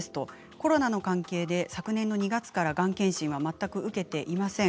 コロナの関係で昨年の４月からがん検診、全く受けていません。